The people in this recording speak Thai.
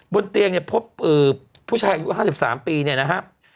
บนเตียงเนี่ยพบผู้ชายอายุ๕๓ปีเนี่ยนะครับ